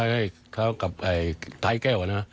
ให้เขากับไทยแก้ว